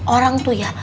orang tuh ya